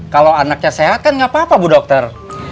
kalau anaknya sehat kan nggak apa apa bu dokter